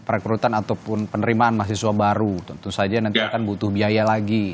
perekrutan ataupun penerimaan mahasiswa baru tentu saja nanti akan butuh biaya lagi